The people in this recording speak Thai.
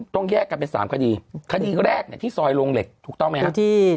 ต้องแยกกันเป็น๓คดีคดีแรกเนี่ยที่ซอยโรงเหล็กถูกต้องไหมครับ